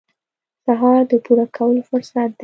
سهار د پوره کولو فرصت دی.